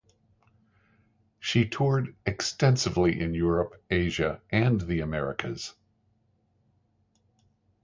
She toured extensively in Europe, Asia, and the Americas.